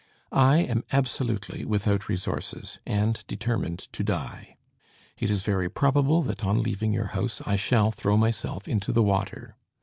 I am absolutely without resources, and determined to die. It is very probable that, on leaving your house, I shall throw myself into the water.